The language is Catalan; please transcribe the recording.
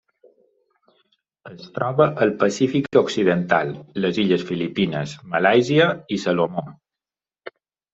Es troba al Pacífic occidental: les illes Filipines, Malàisia i Salomó.